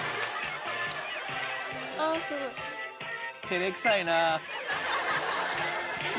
照れくさいな。